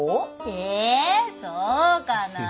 えそうかなぁ。